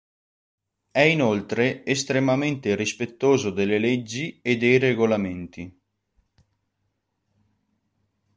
È inoltre estremamente rispettoso delle leggi e dei regolamenti.